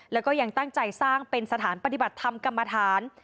แล้วก็ยังตั้งใจสร้างเป็นสถานปฏิบัติธรรมกรรมฐาน